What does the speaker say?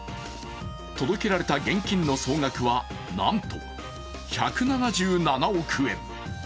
届けられた現金の総額は、なんと１７７億円。